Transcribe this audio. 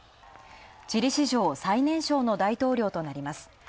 チリ史上、最年少の大統領となります。